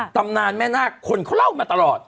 ตำนานแม่นาคคนเขาเล่ามาตลอด